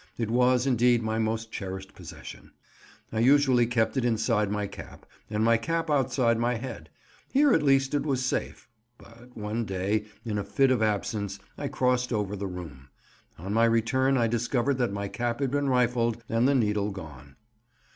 It was, indeed, my most cherished possession. I usually kept it inside my cap, and my cap outside my head; here at least it was safe, but one day, in a fit of absence, I crossed over the room. On my return I discovered that my cap had been rifled and the needle gone.